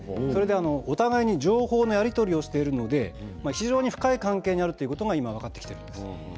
お互いに情報のやり取りをしているので非常に深い関係にあるということが今、分かってきているんです。